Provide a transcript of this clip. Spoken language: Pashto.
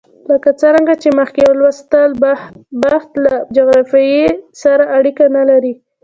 لکه څرنګه چې مخکې ولوستل، بخت له جغرافیې سره اړیکه نه لري.